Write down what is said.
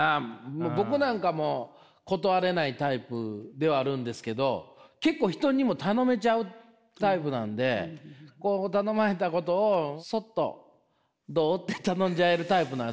僕なんかも断れないタイプではあるんですけど結構人にも頼めちゃうタイプなんでこう頼まれたことをそっと「どう？」って頼んじゃえるタイプなんですよね。